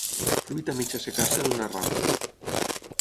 Fruit a mig assecar-se en una rama.